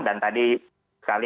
dan tadi sekali